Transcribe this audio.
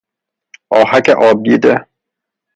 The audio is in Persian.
آهک آب دیده